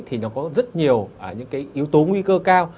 thì nó có rất nhiều những cái yếu tố nguy cơ cao